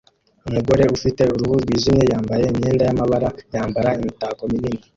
Umugore ufite uruhu rwijimye yambaye imyenda yamabara yambara imitako minini